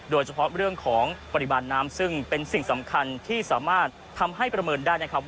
โดยเฉพาะเรื่องของปริมาณน้ำซึ่งเป็นสิ่งสำคัญที่สามารถทำให้ประเมินได้นะครับ